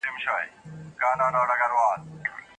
د محصلینو لیلیه پرته له پلانه نه پراخیږي.